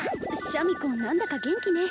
シャミ子何だか元気ね